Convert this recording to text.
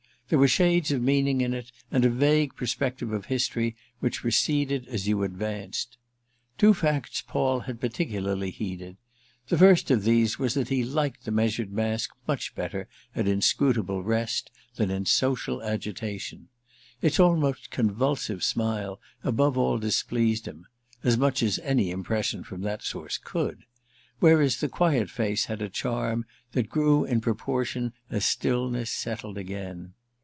There were shades of meaning in it and a vague perspective of history which receded as you advanced. Two facts Paul had particularly heeded. The first of these was that he liked the measured mask much better at inscrutable rest than in social agitation; its almost convulsive smile above all displeased him (as much as any impression from that source could), whereas the quiet face had a charm that grew in proportion as stillness settled again.